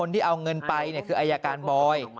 ที่เอาเงินไปคืออายการบอย